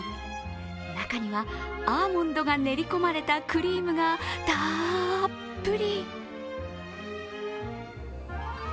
中にはアーモンドが練り込まれたクリームがたぷっり。